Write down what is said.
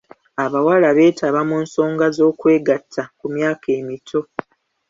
Abawala beetaba mu nsonga z'okwegatta ku myaka emito.